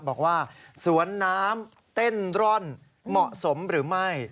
บอกว่าสวนน้ำเต้นร่อนเหมาะสมหรือไม่